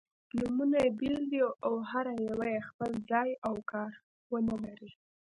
نومونه يې بېل دي او هره یوه یې خپل ځای او کار-ونه لري.